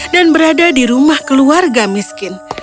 dan berada di rumah keluarga miskin